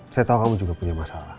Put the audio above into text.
saya tahu kamu juga punya masalah